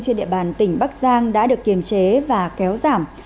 trên địa bàn tỉnh bắc giang đã được kiềm chế và kéo giảm